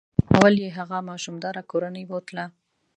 اول یې هغه ماشوم داره کورنۍ بوتله.